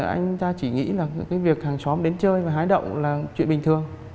anh ta chỉ nghĩ là cái việc hàng xóm đến chơi và hái động là chuyện bình thường